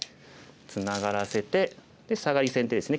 ツナがらせて。でサガリ先手ですね。